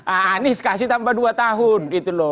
anies kasih tambah dua tahun